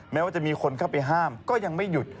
แม้ว่าจะมีคนเข้าไปห้ามก็ยังไม่หยุด